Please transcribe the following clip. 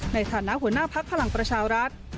ในฐานะหัวหน้าภักดิ์พลังประชารัฐ